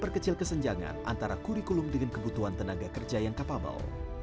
perkecil kesenjangan antara kurikulum dengan kebutuhan tenaga kerja yang capable